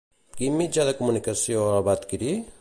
Quin mitjà de comunicació el va adquirir?